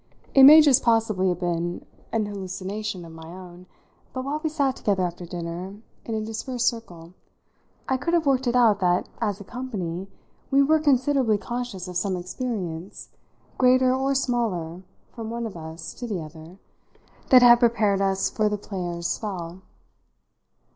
It may just possibly have been an hallucination of my own, but while we sat together after dinner in a dispersed circle I could have worked it out that, as a company, we were considerably conscious of some experience, greater or smaller from one of us to the other, that had prepared us for the player's spell.